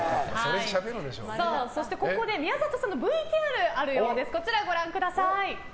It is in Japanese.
そしてここで宮里さんのＶＴＲがあるようです。